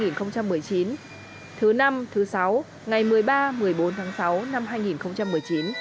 thứ năm thứ sáu ngày một mươi ba một mươi bốn tháng sáu năm hai nghìn một mươi chín